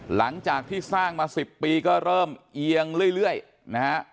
หลังจากที่สร้างมา๑๐ปีก็เริ่มเอียงเรื่อยนะฮะ